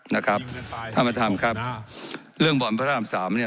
นะครับถ้ามาถามครับเรื่องบ่อนพระรามสามเนี้ย